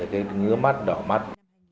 cái ngứa mắt đỏ mắt